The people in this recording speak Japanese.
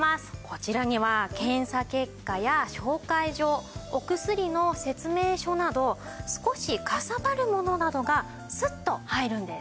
こちらには検査結果や紹介状お薬の説明書など少しかさばるものなどがスッと入るんです。